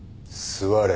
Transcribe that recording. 座れ。